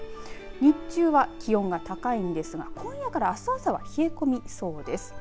日中は気温が高いんですが今夜からあす朝は冷え込みそうです。